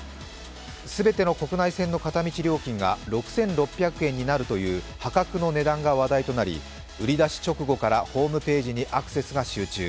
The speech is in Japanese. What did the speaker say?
全ての国内線の片道料金が６６００円になるという破格の値段が話題となり売り出し直後からホームページにアクセスが集中。